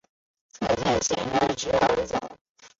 侧线显着而直走。